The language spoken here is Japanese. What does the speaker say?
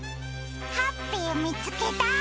ハッピーみつけた！